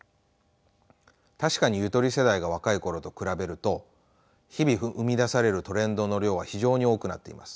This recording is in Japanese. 確かにゆとり世代が若い頃と比べると日々生み出されるトレンドの量は非常に多くなっています。